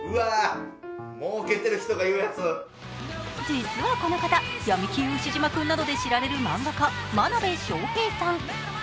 実は、この方「闇金ウシジマくん」などで知られる漫画家、真鍋昌平さん。